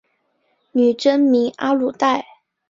女真名阿鲁带。